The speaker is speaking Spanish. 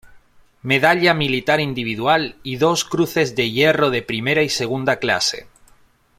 Medalla Militar Individual y dos Cruces de Hierro de Primera y Segunda Clase.